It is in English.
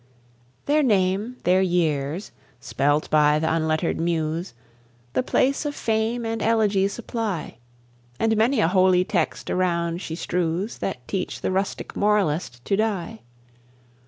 Their name, their years, spelt by th' unlettered Muse, The place of fame and elegy supply. And many a holy text around she strews That teach the rustic moralist to die.